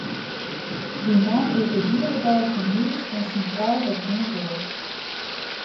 Dy man is de hiele dei fan hús en syn frou hat gjin wurk.